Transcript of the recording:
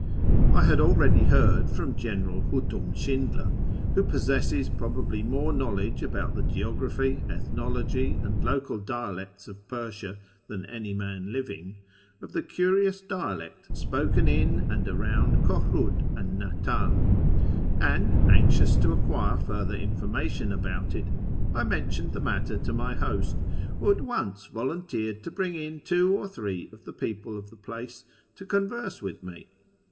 I had already heard from General Houtum Schindler, who possesses probably more knowledge about the geography, ethnology, and local dialects of Persia than any man living, of the curious dialect spoken in and around Kohrud and Natanz, and, anxious to acquire further information about it, I mentioned the matter to my host, who at once volunteered to bring in two or three of the people of the place to converse with me.